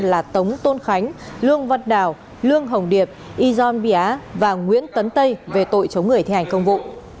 là tống tôn khánh lương văn đào lương hồng điệp yon bia và nguyễn tấn tây về tội chống người thi hành công vụ